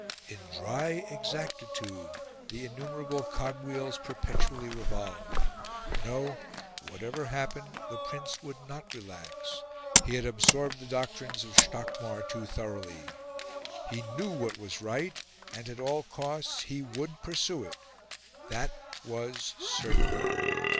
In dry exactitude the innumerable cog wheels perpetually revolved. No, whatever happened, the Prince would not relax; he had absorbed the doctrines of Stockmar too thoroughly. He knew what was right, and, at all costs, he would pursue it. That was certain.